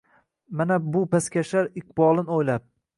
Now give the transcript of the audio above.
Mana shu pastkashlar iqbolin o’ylab?